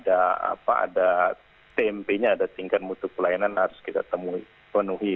ada tempenya ada tingkat mutu pelayanan harus kita temui penuhi